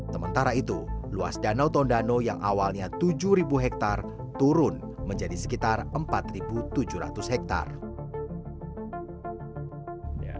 sementara itu luas danau tondano yang awalnya tujuh hektare turun menjadi sekitar empat tujuh ratus hektare